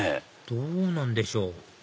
どうなんでしょう？